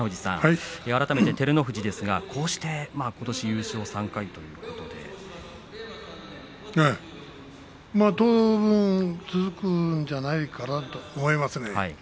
改めて照ノ富士ことし優勝３回ということで当分続くんじゃないかなと思いますね。